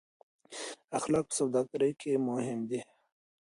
اخلاق په سوداګرۍ کې مهم دي.